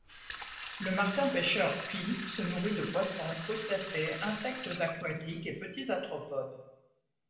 Le Martin-pêcheur pie se nourrit de poissons, crustacés, insectes aquatiques et petits arthropodes.